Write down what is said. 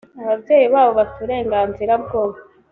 ababyeyi babo bafite uburenganzira bwo